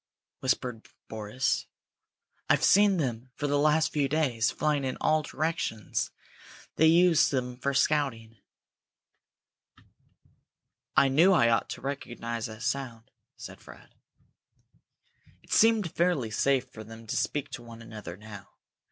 whispered Boris. "I've seen them for the last few days, flying in all directions. They use them for scouting." "I knew I ought to recognize that sound!" said Fred. It seemed fairly safe for them to speak to one another now.